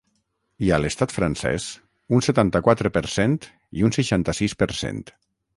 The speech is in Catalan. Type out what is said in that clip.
I a l’estat francès, un setanta-quatre per cent i un seixanta-sis per cent.